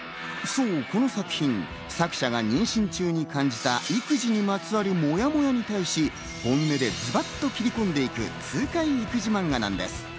そう、この作品、作者が妊娠中に感じた育児にまつわるもやもやに対し、本音でズバっと切り込んでいく痛快育児マンガなんです。